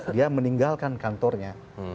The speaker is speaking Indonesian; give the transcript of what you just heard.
dia meninggalkan kantornya